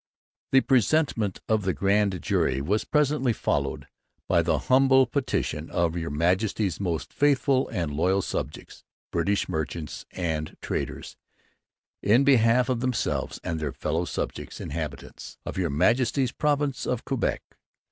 The 'Presentment of the Grand Jury' was presently followed by _The Humble Petition of Your Majesty's most faithful and loyal Subjects, British Merchants and Traders, in behalf of Themselves and their fellow Subjects, Inhabitants of Your Majesty's Province of Quebec_.